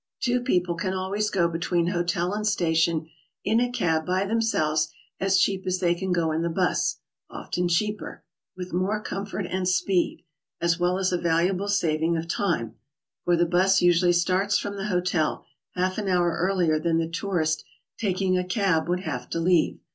Two 1 78 GOING ABROAD? people can alv/ays go between hotel and station In a cab by themselves as cheap as they can go in the bus, often cheaper, — with more comfort and speed, as well as, a valuable saving of time, for the bus usually starts from the hotel half an hour earlier than the tourist taking a cab would have to leave.